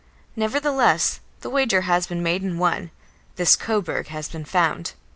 Nevertheless the wager has been made and won; this Coburg has been found.